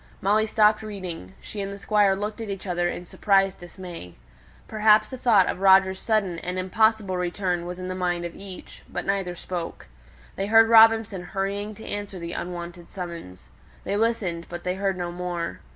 Molly stopped reading; she and the Squire looked at each other in surprised dismay. Perhaps a thought of Roger's sudden (and impossible) return was in the mind of each; but neither spoke. They heard Robinson hurrying to answer the unwonted summons. They listened; but they heard no more.